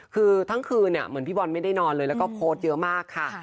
คือทั้งคืนเหมือนพี่บอลไม่ได้นอนเลยแล้วก็โพสต์เยอะมากค่ะ